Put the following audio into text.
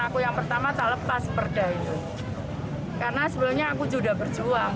aku yang pertama tak lepas perda itu karena sebelumnya aku sudah berjuang